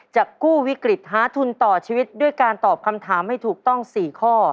จะกู้วิกฤตหาทุนต่อชีวิตด้วยการตอบคำถามให้ถูกต้อง๔ข้อ